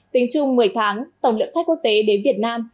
tính chung một mươi tháng tổng lượng khách quốc tế đến việt nam